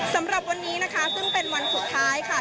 สำหรับวันนี้นะคะซึ่งเป็นวันสุดท้ายค่ะ